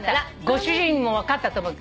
ご主人も分かったと思う。